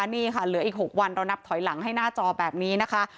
นี่ถอยหลังให้หน้าจอแบบนี้